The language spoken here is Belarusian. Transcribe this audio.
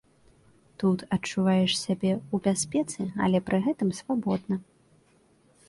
Тут адчуваеш сябе ў бяспецы, але пры гэтым свабодна.